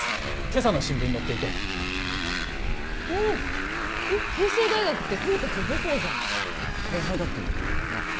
今朝の新聞に載っていておおえっ慶成大学って功達の母校じゃん後輩だったんだなっ